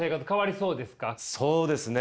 そうですね。